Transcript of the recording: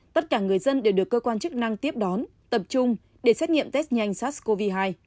tất cả người dân đều được cơ quan chức năng tiếp đón tập trung để xét nghiệm test nhanh sars cov hai